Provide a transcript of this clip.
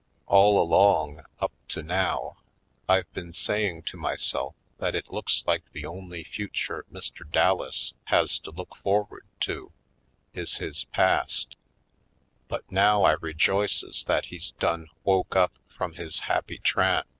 All along, up to now, I've been saying to myself that it looks like the only future Mr. Dallas has to look for ward to, is his past; but now I rejoices that he's done woke up from his happy trance.